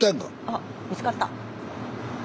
あ見つかった。